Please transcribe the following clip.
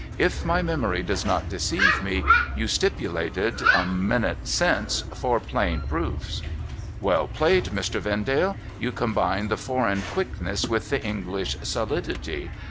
' If my memory does not deceive me, you stipulated, a minute since, for plain proofs ?'' Well played, Mr. Vendale ! You combine the foreign quickness with the English solidity.